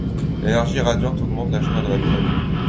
L’énergie radiante augmente la chaleur de la feuille.